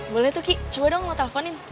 boleh tuh ki coba dong mau teleponin